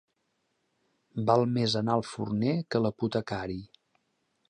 Val més anar al forner que a l'apotecari.